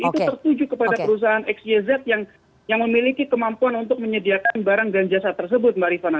itu tertuju kepada perusahaan xj yang memiliki kemampuan untuk menyediakan barang dan jasa tersebut mbak rifana